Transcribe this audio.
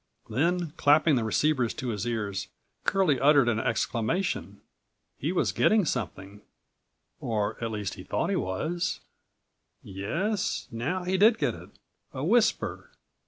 Then, clapping the receivers to his ears, Curlie uttered an exclamation. He was getting something, or at least thought he was. Yes, now he did get it, a whisper.